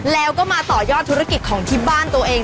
แล้วก็มาต่อยอดธุรกิจของที่บ้านตัวเอง